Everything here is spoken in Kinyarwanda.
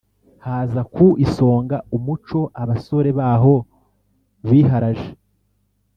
haza ku isonga umuco abasore baho biharaje